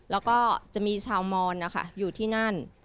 แล้วก็จะมีชาวมอนนะคะอยู่ที่นั่น